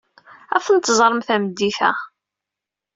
Ad tent-teẓrem tameddit-a.